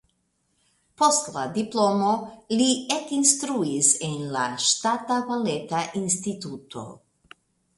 Post la diplomo li ekinstruis en la Ŝtata Baleta Instituto.